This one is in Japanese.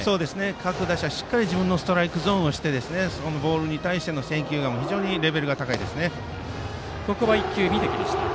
各打者、しっかり自分のストライクゾーンを知ってボールに対しての選球眼も非常にレベルが高いです。